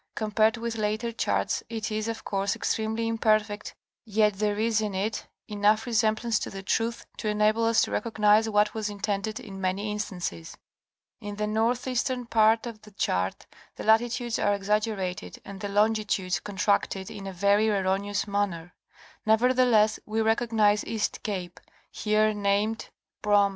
Compared with later charts it is, of course, extremely imperfect yet there is in it enough resemblance to the truth to enable us to recognize what was intended in many instances. In the northeastern part of the chart, the latitudes are exaggerated and the longitudes contracted in a very erroneous manner. Nevertheless we recognize East Cape, here named "Prom.